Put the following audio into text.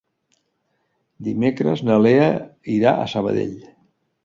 Dimecres na Lea irà a Sabadell.